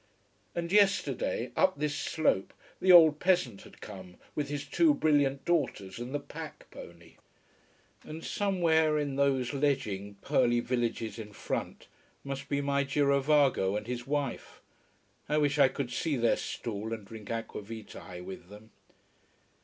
And yesterday, up this slope the old peasant had come with his two brilliant daughters and the pack pony. And somewhere in those ledging, pearly villages in front must be my girovago and his "wife". I wish I could see their stall and drink aqua vitae with them.